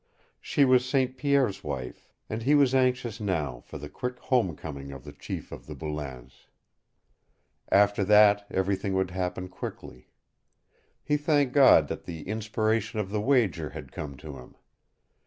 She was St. Pierre's wife and he was anxious now for the quick homecoming of the chief of the Boulains. After that everything would happen quickly. He thanked God that the inspiration of the wager had come to him.